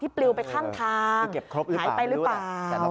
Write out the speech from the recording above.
ปลิวไปข้างทางหายไปหรือเปล่า